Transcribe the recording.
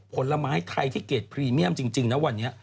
ผลไม้ไทยที่เกรดพรีเมียมจริงนะวันนี้